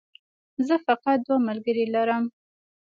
زه فقط دوه ملګري لرم